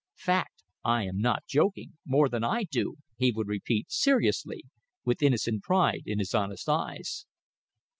Fact. I am not joking. More than I do," he would repeat, seriously, with innocent pride in his honest eyes.